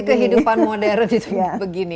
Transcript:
ini kehidupan modern begini